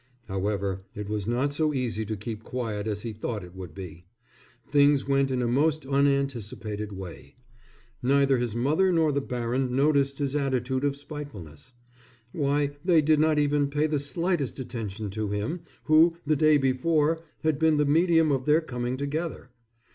However, it was not so easy to keep quiet as he thought it would be. Things went in a most unanticipated way. Neither his mother nor the baron noticed his attitude of spitefulness. Why, they did not even pay the slightest attention to him, who, the day before, had been the medium of their coming together.